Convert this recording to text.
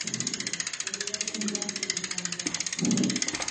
Usiniache gizani bwana